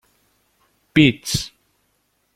Pits.